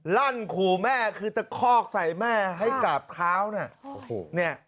รั่นขู่แม่คือจะคลอกใส่แม่ให้กราบเท้า